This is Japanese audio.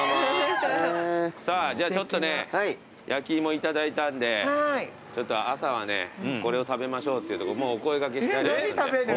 さあじゃあちょっとね焼き芋いただいたんでちょっと朝はねこれを食べましょうっていうとこもうお声掛けしてありますんで。